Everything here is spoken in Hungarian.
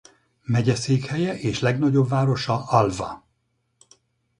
Megyeszékhelye és legnagyobb városa Alva.